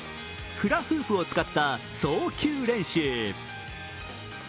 フラフープを使った送球練習。